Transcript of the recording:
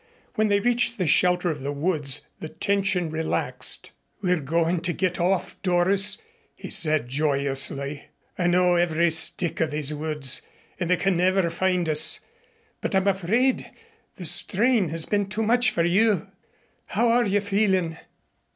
When they reached the shelter of the woods the tension relaxed. "We're going to get off, Doris," he said joyously. "I know every stick of these woods, and they can never find us. But I'm afraid the strain has been too much for you. How are you feeling?"